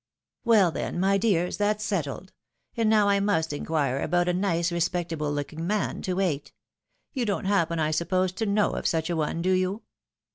"Well then, my dears, that's settled. And now I must inquire about a nice respectable looking man to wait. You don't happen, I suppose, to know of such a one, do you?